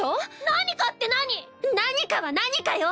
何かって何⁉何かは何かよ！